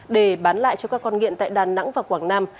để bán lại cho các con nghiện tại đà nẵng và quảng nam